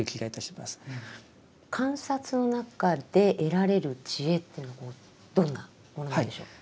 観察の中で得られる智慧というのはどんなものなんでしょう？